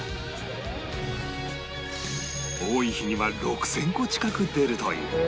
多い日には６０００個近く出るという